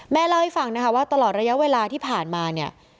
เล่าให้ฟังนะคะว่าตลอดระยะเวลาที่ผ่านมาเนี่ย